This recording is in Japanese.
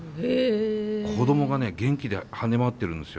子供がね元気で跳ね回ってるんですよ